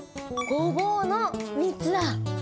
「ごぼう」の３つだ。